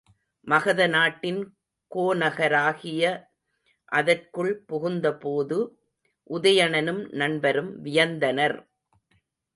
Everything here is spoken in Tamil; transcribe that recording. மகத நாட்டின் கோநகராகிய அதற்குள் புகுந்தபோது உதயணனும் நண்பரும் வியந்தனர்.